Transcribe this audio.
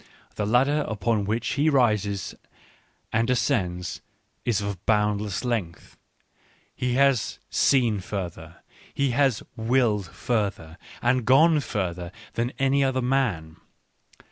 The ladder upon which he rises and descends is of boundless length ; he has L seen further, he has willed further, and gone further than any other man.